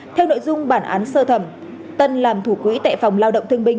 theo nội dung bản án sơ thẩm tân làm thủ quỹ tệ phòng lao động thương bình